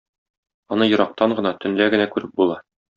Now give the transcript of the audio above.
Аны ерактан гына, төнлә генә күреп була.